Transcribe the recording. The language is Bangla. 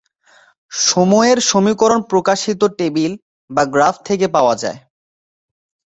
সময়ের সমীকরণ প্রকাশিত টেবিল বা গ্রাফ থেকে পাওয়া যায়।